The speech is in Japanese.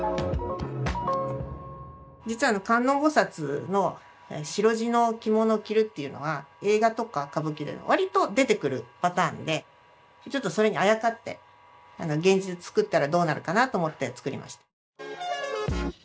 実は観音菩薩の白地の着物を着るっていうのは映画とか歌舞伎でわりと出てくるパターンでちょっとそれにあやかって現実作ったらどうなるかなと思って作りました。